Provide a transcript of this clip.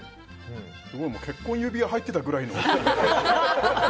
結婚指輪入ってたぐらいの。